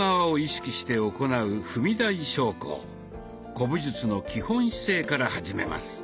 古武術の基本姿勢から始めます。